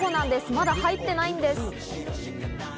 まだ入ってないんです。